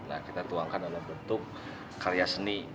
nah kita tuangkan dalam bentuk karya seni